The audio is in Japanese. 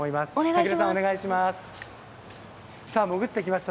武さん、お願いします。